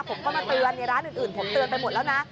ผมก็มาเตือนในร้านอื่นผมเตือนไปหมดแล้วนะ